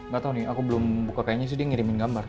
gak tau nih aku belum buka kayaknya sih dia ngirimin gambar